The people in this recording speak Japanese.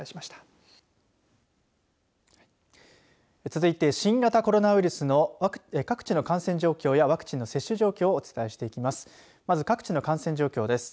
続いて新型コロナウイルスの各地の感染状況やワクチンの接種状況をお伝えしていきます。